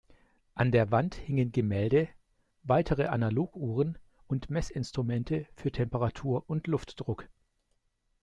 An der Wand hingen Gemälde, weitere Analoguhren und Messinstrumente für Temperatur und Luftdruck.